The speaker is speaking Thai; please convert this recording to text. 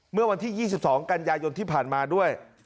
เมื่อวันที่๒๒กันยายนที่ผ่านมาด้วย